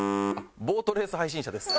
ボートレース配信者です。